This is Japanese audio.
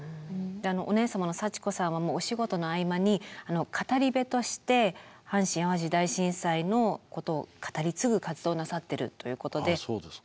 お姉様の幸子さんはお仕事の合間に語り部として阪神・淡路大震災のことを語り継ぐ活動をなさってるということで。